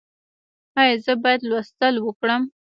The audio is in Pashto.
ایا زه باید لوستل وکړم؟